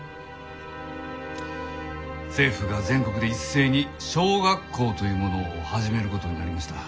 政府が全国で一斉に小学校というものを始めることになりました。